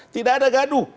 tidak ada gaduh